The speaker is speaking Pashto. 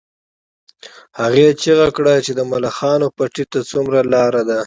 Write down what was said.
هغې چیغه کړه چې د ملخانو پټي ته څومره لار ده